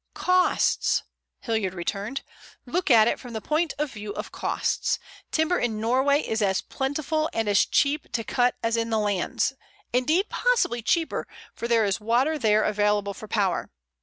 "Costs," Hilliard returned. "Look at it from the point of view of costs. Timber in Norway is as plentiful and as cheap to cut as in the Landes, indeed, possibly cheaper, for there is water there available for power.